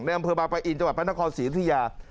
อำเภอบางปะอินจังหวัดพระนครศรียุธยา